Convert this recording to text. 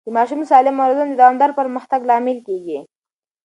د ماشوم سالمه روزنه د دوامدار پرمختګ لامل کېږي.